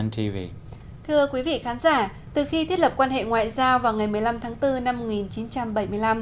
thưa quý vị khán giả từ khi thiết lập quan hệ ngoại giao vào ngày một mươi năm tháng bốn năm một nghìn chín trăm bảy mươi năm